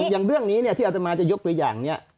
อย่างเรื่องนี้ที่อัตมาจะยกตัวอย่างนี้